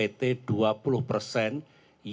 yang menggunakan kepentingan